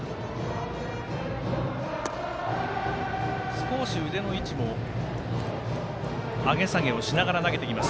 少し腕の位置も上げ下げをしながら投げてきます